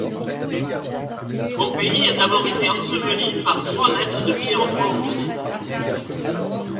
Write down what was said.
Pompéi a été d'abord ensevelie par trois mètres de pierres ponces.